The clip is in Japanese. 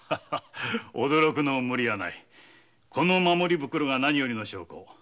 驚くのも無理はないこの守り袋が何よりの証拠。